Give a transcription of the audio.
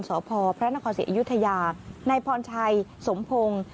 สพพระนครศรีอยุธยานายพรชัยสมพงศ์